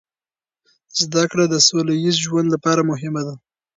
زده کړه د سوله ییز ژوند لپاره مهمه ده.